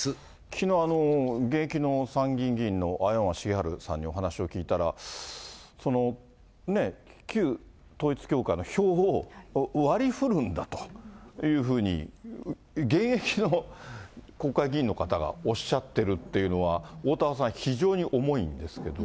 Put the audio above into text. きのう現役の参議院議員の青山繁晴さんにお話を聞いたら、旧統一教会の票を割りふるんだというふうに現役の国会議員の方がおっしゃってるっていうのは、おおたわさん、非常に重いんですけど。